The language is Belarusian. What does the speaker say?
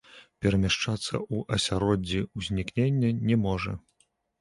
Перамяшчацца ў асяроддзі ўзнікнення не можа.